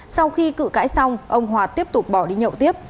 sau khi cự cãi xong ông hòa tiếp tục bỏ đi nhậu tiếp